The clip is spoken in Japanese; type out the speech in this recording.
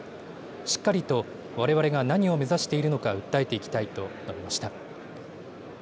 しっかりとわれわれが何を目指しているのか訴えていきたいと述べました。